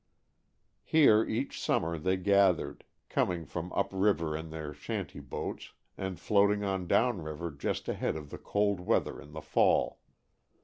Here, each summer, they gathered, coming from up river in their shanty boats and floating on downriver just ahead of the cold weather in the fall.